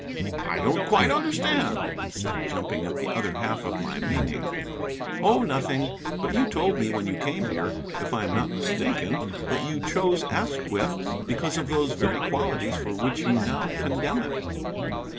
"I don't quite understand," he said, jumping at the other half of my meaning. "Oh, nothing. But you told me when you came here, if I am not mistaken, that you chose Asquith because of those very qualities for which you now condemn it."